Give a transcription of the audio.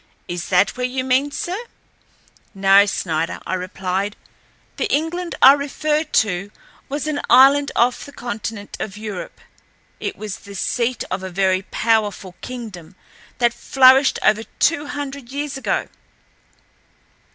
"Is that where you mean, sir?" "No, Snider," I replied. "The England I refer to was an island off the continent of Europe. It was the seat of a very powerful kingdom that flourished over two hundred years ago.